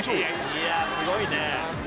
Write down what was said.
「いやあすごいね！」